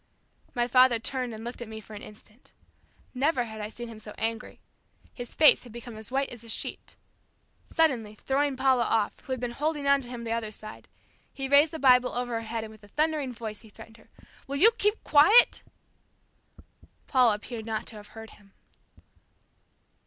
My father turned and looked at me for an instant. Never had I seen him so angry. His face had become as white as a sheet. Suddenly throwing Paula off, who had been holding on to him on the other side, he raised the Bible over her head and with a thundering voice, he threatened her. "Will you keep quiet?" Paula appeared not to have heard him.